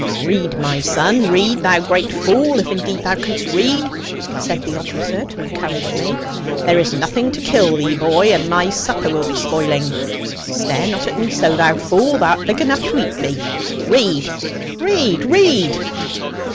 'Read, my son; read, thou great fool, if indeed thou canst read,' said the officer to encourage me; 'there is nothing to kill thee, boy, and my supper will be spoiling. Stare not at me so, thou fool; thou art big enough to eat me; read, read, read.'